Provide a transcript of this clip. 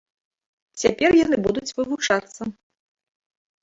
Цяпер яны будуць вывучацца.